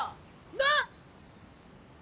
なっ？